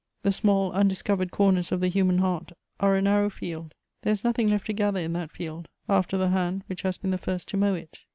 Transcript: The small undiscovered corners of the human heart are a narrow field; there is nothing left to gather in that field after the hand which has been the first to mow it.